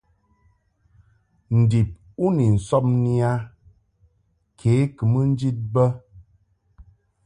Ndib u ni sɔbni a ke kɨ mɨ njid bə.